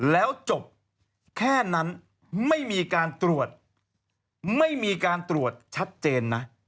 แล้วจบแค่นั้นไม่มีการตรวจไม่มีการตรวจชัดเจนนะ